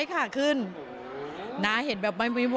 อาการป่วยของคุณพ่อไม่ได้น่าเป็นห่วงอย่างที่คิดเลย